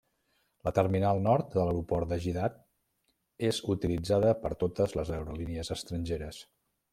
La terminal nord de l'aeroport de Jiddah és utilitzada per totes les aerolínies estrangeres.